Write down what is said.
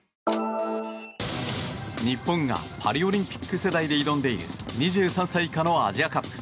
日本がパリオリンピック世代で挑んでいる２３歳以下のアジアカップ。